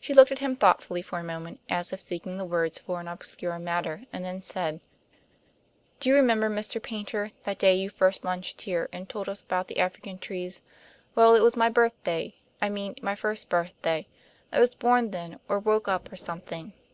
She looked at him thoughtfully for a moment, as if seeking words for an obscure matter, and then said: "Do you remember, Mr. Paynter, that day you first lunched here and told us about the African trees? Well, it was my birthday; I mean my first birthday. I was born then, or woke up or something.